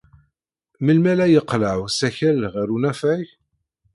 Melmi ara yeqleɛ usakal ɣer unafag?